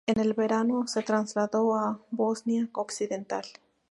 En el verano se trasladó a Bosnia occidental.